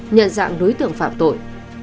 nhận dạng đối tượng phạm tội